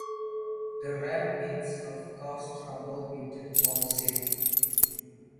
The ramp itself caused trouble with the township.